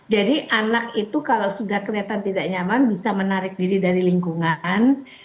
jadi anak itu kalau sudah kelihatan tidak nyaman bisa menarik diri dari lingkungan